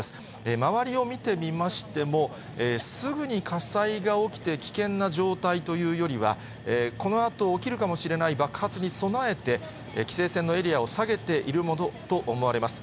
周りを見てみましても、すぐに火災が起きて危険な状態というよりは、このあと起きるかもしれない爆発に備えて、規制線のエリアを下げているものと思われます。